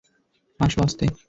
আসো, আস্তে।